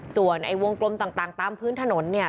ส่วนไอ้วงกลมต่างตามพื้นถนนเนี่ย